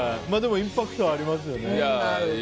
でもインパクトありますよね。